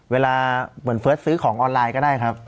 เวลาเหมือนเฟิร์สซื้อของออนไลน์ก็ได้ครับ